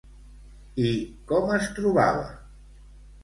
I com es trobava?